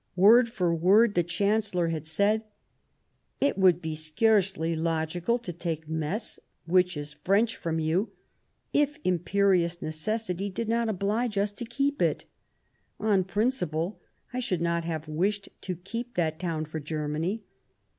170 The German Empire Word for word, the Chancellor had said :" It would be scarcely logical to take Metz, which is French, from you, if imperious necessity did not oblige us to keep it. On principle, I should not have wished to keep that town for Germany.